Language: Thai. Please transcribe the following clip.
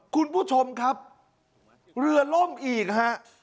คุณผู้ชมครับเหลือล่มอีกครับ